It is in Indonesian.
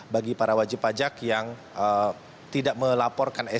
bagi para wajib pajak yang tidak melaporkan spt nya